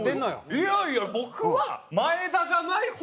いやいや僕は前田じゃない方